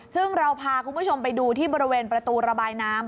ซึ่งเราพาคุณผู้ชมไปดูที่บริเวณประตูระบายน้ำ